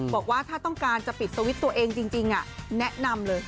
บอกว่าถ้าต้องการจะปิดสวิตช์ตัวเองจริงแนะนำเลย